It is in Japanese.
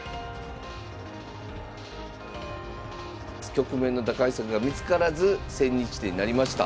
局面の打開策が見つからず千日手になりました。